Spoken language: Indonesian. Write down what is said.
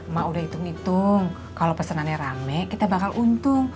mak udah hitung hitung kalo pesenannya rame kita bakal untung